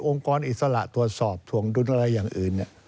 กรอิสระตรวจสอบถวงดุลอะไรอย่างอื่น